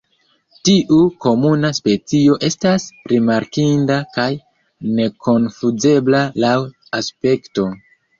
Tiu komuna specio estas rimarkinda kaj nekonfuzebla laŭ aspekto.